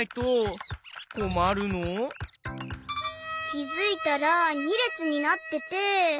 きづいたら２れつになってて。